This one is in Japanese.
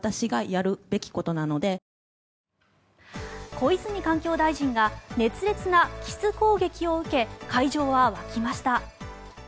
小泉環境大臣が熱烈なキス攻撃を受け会場は沸きました。